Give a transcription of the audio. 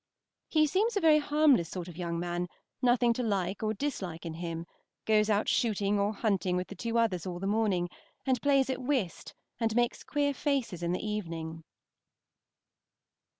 He seems a very harmless sort of young man, nothing to like or dislike in him, goes out shooting or hunting with the two others all the morning, and plays at whist and makes queer faces in the evening.